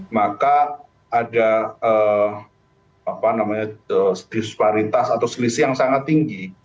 maka ada disparitas atau selisih yang sangat tinggi